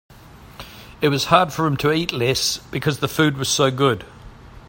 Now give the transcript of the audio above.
It was hard for him to eat less because the food was so good.